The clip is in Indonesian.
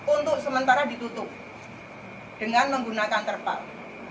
untuk sementara ditutup dengan menggunakan terpal